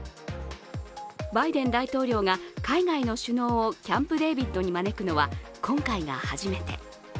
バイデン大統領が海外の首脳をキャンプ・デービッドに招くのは今回が初めて。